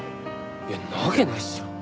いやんなわけないっすよ。